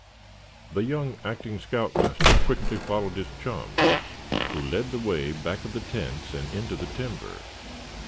The young acting scout master quickly followed his chum, who led the way back of the tents and into the timber.